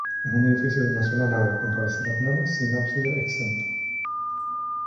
Es un edificio de una sola nave, con cabecera plana, sin ábside exento.